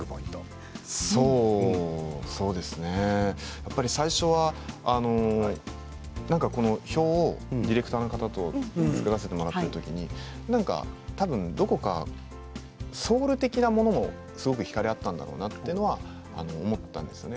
やっぱり最初はこの表をディレクターの方と作らせてもらったときにどこか、ソウル的なものでひかれ合ったんだろうなと思ったんですね。